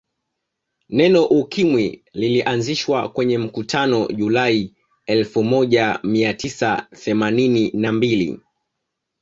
Neno Ukimwi likaanzishwa kwenye mkutano Julai elfu moja ia tisa themanini na mbili